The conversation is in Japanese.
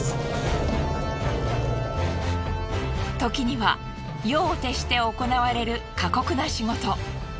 時には夜を徹して行われる過酷な仕事。